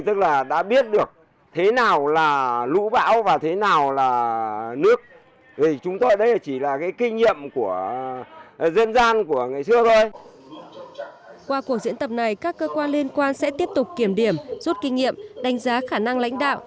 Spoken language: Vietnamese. qua cuộc diễn tập này các cơ quan liên quan sẽ tiếp tục kiểm điểm rút kinh nghiệm đánh giá khả năng lãnh đạo